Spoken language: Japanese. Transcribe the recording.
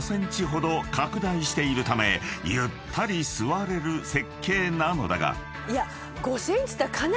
［ゆったり座れる設計なのだが］